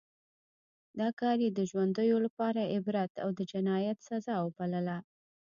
دا کار یې د ژوندیو لپاره عبرت او د جنایت سزا وبلله.